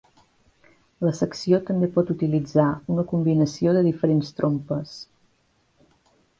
La secció també pot utilitzar una combinació de diferents trompes.